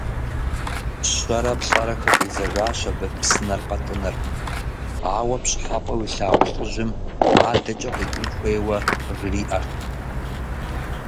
Щэрэ-плӏэрэ хыфӏидзэжащ абы псынэр къэтӏыныр, ауэ пщӏыхьэпӏэу илъагъу лӏыжьым адэкӏэ къитӏын хуейуэ къыжриӏэрт.